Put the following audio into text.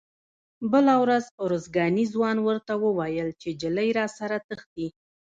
بله ورځ ارزګاني ځوان ورته وویل چې نجلۍ راسره تښتي.